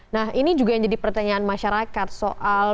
nah ini juga yang jadi pertanyaan masyarakat soal